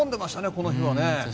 この日は。